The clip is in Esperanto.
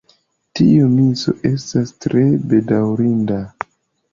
Tiu miso estas tre bedaŭrinda.